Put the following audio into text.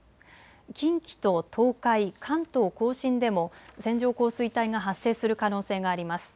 近畿と東海、関東甲信でも線状降水帯が発生する可能性があります。